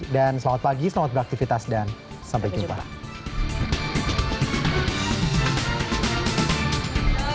dan selamat pagi selamat beraktifitas dan sampai jumpa